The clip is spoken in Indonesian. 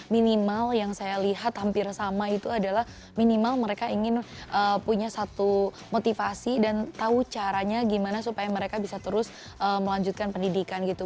minimal yang saya lihat hampir sama itu adalah minimal mereka ingin punya satu motivasi dan tahu caranya gimana supaya mereka bisa terus melanjutkan pendidikan gitu